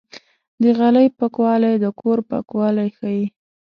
د غالۍ پاکوالی د کور پاکوالی ښيي.